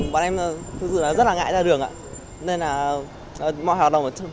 bọn em thực sự rất là ngại ra đường ạ